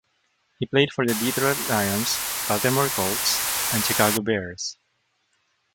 He played for the Detroit Lions, Baltimore Colts and Chicago Bears.